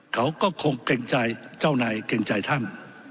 เขาก็คงเกรงใจเจ้านายเกรงใจท่าน